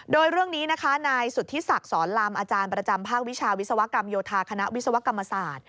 โดยเรื่องนี้นะคะนายสุธิศักดิ์สอนลำอาจารย์ประจำภาควิชาวิศวกรรมโยธาคณะวิศวกรรมศาสตร์